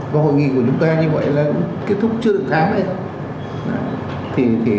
và hội nghị của chúng ta như vậy là kết thúc chưa được thám hết